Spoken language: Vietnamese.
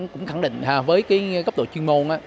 cũng khẳng định với cái gấp độ chuyên môn